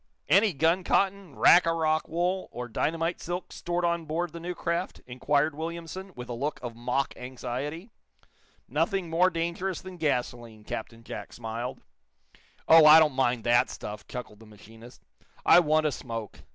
"Any gun cotton, rack a rock wool or dynamite silk stored on board the new craft?" inquired Williamson, with a look of mock anxiety. "Nothing more dangerous than gasoline," Captain Jack smiled. "Oh, I don't mind that stuff,". chuckled the machinist. "I want a smoke.